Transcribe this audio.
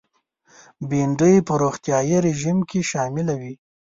بېنډۍ په روغتیایي رژیم کې شامله وي